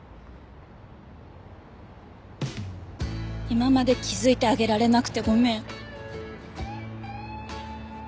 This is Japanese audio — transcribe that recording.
今まで気づいてあげられなくてごめん。